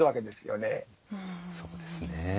そうですね。